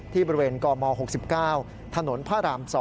ที่บริเวณกม๖๙ถนนพระราม๒